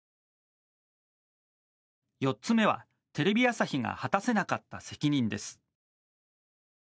４つ目は、テレビ朝日が果たせなかった責任です。